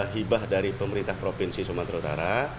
hibah dari pemerintah provinsi sumatera utara